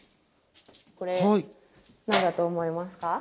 これ何だと思いますか？